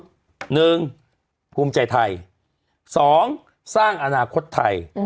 หนึ่งภูมิใจไทยสองสร้างอนาคตไทย